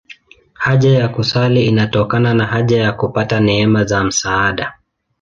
Haja ya kusali inatokana na haja ya kupata neema za msaada.